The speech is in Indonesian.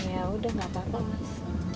ya udah gak apa apa mas